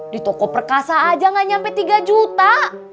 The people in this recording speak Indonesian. di toko perkasa aja gak nyampe tiga juta